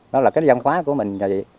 nó là cái dân khóa của mình